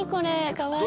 かわいい。